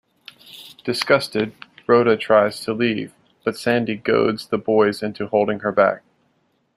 Disgusted, Rhoda tries to leave, but Sandy goads the boys into holding her back.